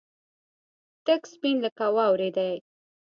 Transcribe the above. تک سپين لکه واورې دي.